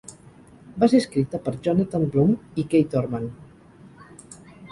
Va ser escrita per Jonathan Blum i Kate Orman.